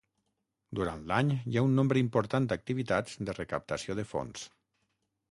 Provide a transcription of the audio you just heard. Durant l'any hi ha un nombre important d'activitats de recaptació de fons.